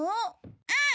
うん！